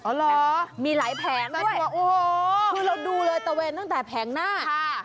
อ๋อเหรอมีหลายแผงด้วยคือเราดูเลยตะเวนตั้งแต่แผงหน้า